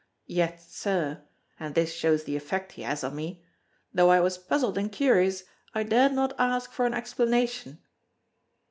Yet, sir (and this shows the effect he has on me), though I was puzzled and curious I dared not ask for an explanation."